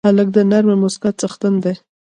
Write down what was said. هلک د نرمې موسکا څښتن دی.